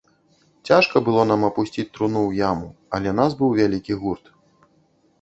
Цяжка было нам апусціць труну ў яму, але нас быў вялікі гурт.